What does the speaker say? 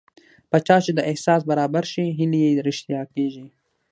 په چا چې دا احساس برابر شي هیلې یې رښتیا کېږي